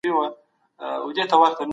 سفیران د هیوادونو په نږدېوالي کي رول لري.